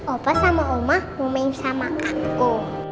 opa sama oma mau main sama kakku